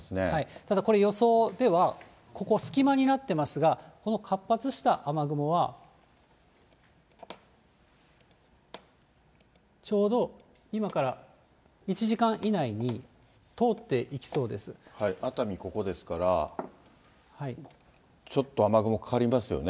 ただ、これ、予想ではここ、隙間になってますが、この活発した雨雲が、ちょうど今から１時間以内に、熱海、ここですから、ちょっと雨雲かかりますよね。